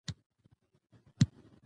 انار د افغانستان د انرژۍ سکتور برخه ده.